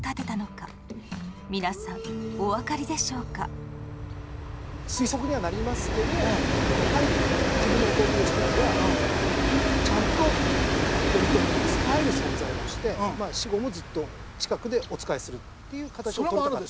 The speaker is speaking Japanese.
ここは推測にはなりますけどやはり自分の弟義時はちゃんと頼朝に仕える存在として死後もずっと近くでお仕えするっていう形をとりたかった。